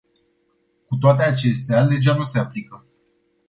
Cu toate acestea, legea nu se aplică.